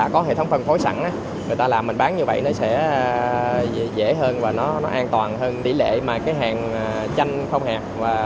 có hệ thống phân phối sẵn người ta làm mình bán như vậy nó sẽ dễ hơn và nó an toàn hơn tỷ lệ mà cái hàng chanh không hẹp